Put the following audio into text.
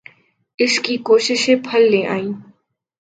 اس کی کوششیں پھل لے آئیں۔